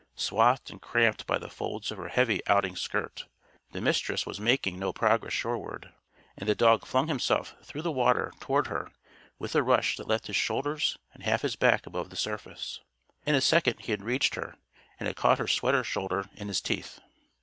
Swathed and cramped by the folds of her heavy outing skirt, the Mistress was making no progress shoreward. And the dog flung himself through the water toward her with a rush that left his shoulders and half his back above the surface. In a second he had reached her and had caught her sweater shoulder in his teeth.